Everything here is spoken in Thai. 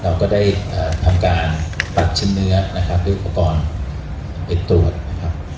เราก็ได้ทำการตัดชิ้นเนื้อนะครับด้วยอุปกรณ์ไปตรวจนะครับ